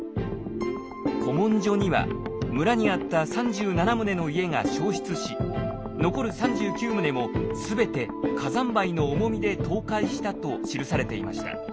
古文書には村にあった３７棟の家が焼失し残る３９棟も全て火山灰の重みで倒壊したと記されていました。